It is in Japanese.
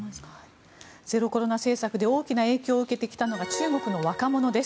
ゼロコロナ政策で大きな影響を受けてきたのが中国の若者です。